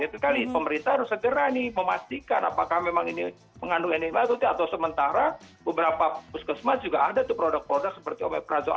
itu kan pemerintah harus segera memastikan apakah memang ini mengandung ndma atau sementara beberapa puskesmat juga ada produk produk seperti omeprazol